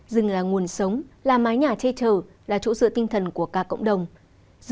rừng là nguồn sống là mái nhà chế trở là chỗ sự tinh thần của cả cộng đồng